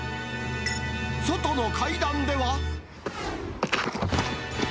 外の階段では。